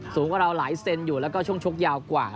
สูงกว่าเราหลายเซนอยู่แล้วก็ช่วงชกยาวกว่า